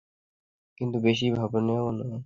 কিন্তু, বেশি ভাববেন না।